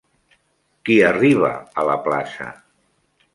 Qui arriba a la plaça?